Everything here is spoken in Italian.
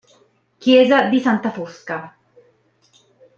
Chiesa di Santa Fosca